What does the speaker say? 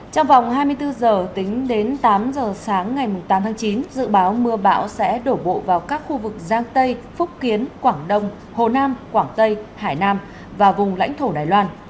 trong vòng hai mươi bốn giờ tính đến tám giờ sáng ngày tám tháng chín dự báo mưa bão sẽ đổ bộ vào các khu vực giang tây phúc kiến quảng đông hồ nam quảng tây hải nam và vùng lãnh thổ đài loan